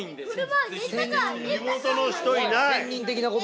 地元の人いない。